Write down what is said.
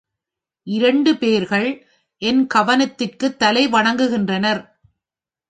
இரண்டு பேர்கள் என் கவனத்திற்குத் தலைவணங்குகின்றனர்.